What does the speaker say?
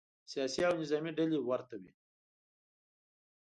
سیاسي او نظامې ډلې ورته وي.